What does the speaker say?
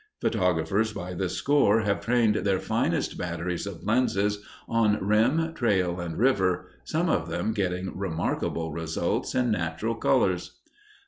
Photographers by the score have trained their finest batteries of lenses on rim, trail, and river, some of them getting remarkable results in natural colors.